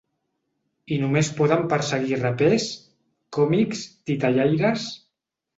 I només poden perseguir rapers, còmics, titellaires…